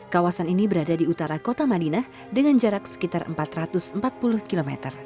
kawasan ini berada di utara kota madinah dengan jarak sekitar empat ratus empat puluh km